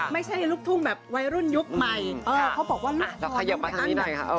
ไม่ใช่ลูกทุ่งแบบวัยรุ่นยุคใหม่เออเขาบอกว่าอ่าเราขยับมาทีนี้หน่อยค่ะเอ้า